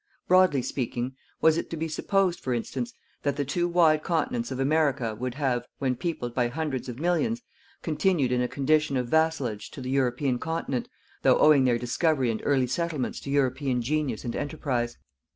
Broadly speaking, was it to be supposed, for instance, that the two wide continents of America would have, when peopled by hundreds of millions, continued in a condition of vassalage to the European continent, though owing their discovery and early settlements to European genius and enterprise?